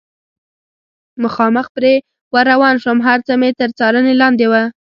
مخامخ پرې ور روان شوم، هر څه مې تر څارنې لاندې و.